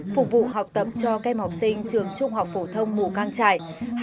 phục vụ học tập cho kem học sinh trường trung học phổ thông mù căng trải